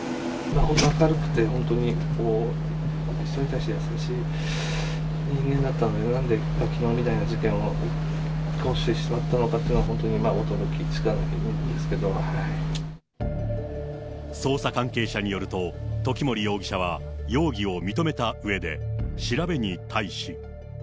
本当に明るくて、本当に人に対して優しい人間だったんで、なんできのうみたいな事件を起こしてしまったのかというのは、本捜査関係者によると、時森容疑者は容疑を認めたうえで調べに対し。